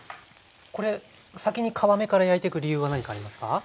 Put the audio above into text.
これ先に皮目から焼いてく理由は何かありますか？